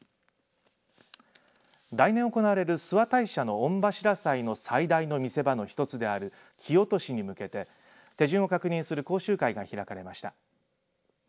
来年行われる諏訪大社の御柱際の最大の見せ場の一つである木落しに向けて手順を確認する講習会が開かれました。